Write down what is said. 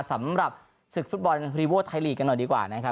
สำหรับศึกฟุตบอลทายทีมากยังหน่อยดีกว่านะครับ